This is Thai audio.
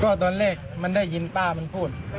ก็ตอนแรกมันได้ยินป้ามันพูด